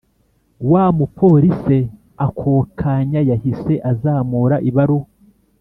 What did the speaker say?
wamupolice akokanya yahise azamura ibaruwa